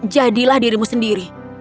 jadilah dirimu sendiri